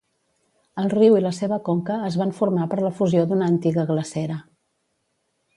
El riu i la seva conca es van formar per la fusió d'una antiga glacera.